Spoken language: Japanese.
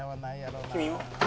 君は？